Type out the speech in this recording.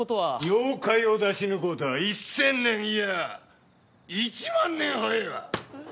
妖怪を出し抜こうとは１千年いや１万年早えわ！